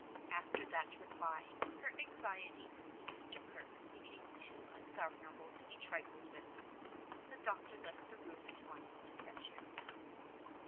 After that reply, her anxiety to see Mr. Kirke became too ungovernable to be trifled with. The doctor left the room at once to fetch him.